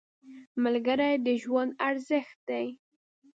ملګری د ژوند ارزښت دی